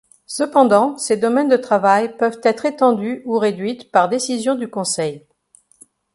Cependant, ces domaines de travail peuvent être étendues ou réduites par décision du Conseil.